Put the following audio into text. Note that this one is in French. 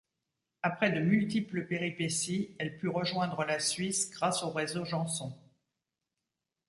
Après de multiples péripéties elle put rejoindre la Suisse grâce au réseau Jeanson.